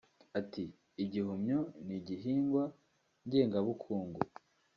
Ati “Igihumyo ni igihigwa ngengabukungu